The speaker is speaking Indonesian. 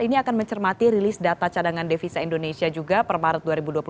ini akan mencermati rilis data cadangan devisa indonesia juga per maret dua ribu dua puluh satu